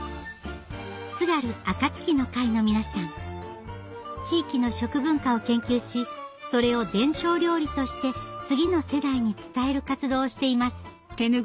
津軽あかつきの会の皆さん地域の食文化を研究しそれを伝承料理として次の世代に伝える活動をしています